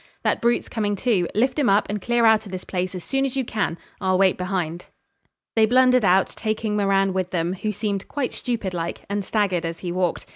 That brute's coming to. Lift him up, and clear out of this place as soon as you can. I'll wait behind.' They blundered out, taking Moran with them, who seemed quite stupid like, and staggered as he walked.